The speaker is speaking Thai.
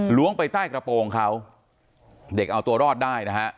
้วงไปใต้กระโปรงเขาเด็กเอาตัวรอดได้นะฮะ